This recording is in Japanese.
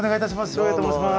照英と申します。